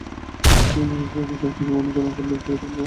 Sorry sir, কিছু মনে না করলে একটা কথা বলব?